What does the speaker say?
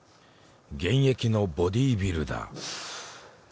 現役のボディビルダー。